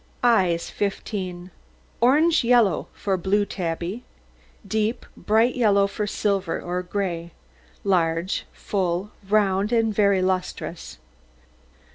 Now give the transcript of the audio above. EYES 15 Orange yellow for blue tabby; deep, bright yellow for silver or gray; large, full, round, and very lustrous.